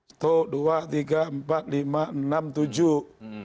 itu dua tiga empat lima enam tujuh